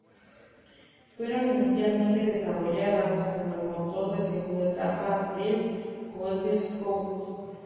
Fueron inicialmente desarrolladas como el motor de segunda etapa del cohete Scout.